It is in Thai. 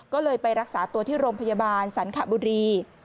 ก็เลยไปรักษาตัวที่โรงพยาบาลสันขบุรี